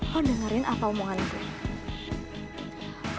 lo dengerin apa omongan gue